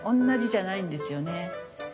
同じじゃないんですよね。